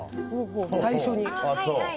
最初に。